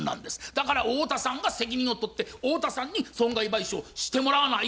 だから太田さんが責任を取って太田さんに損害賠償してもらわない